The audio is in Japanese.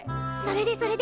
それで？